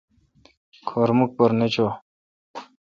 کھور مکھ پر نہ چو۔